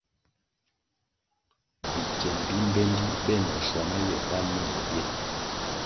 Bikien bi mbpendi benoh schuaná ywe pan me na bie.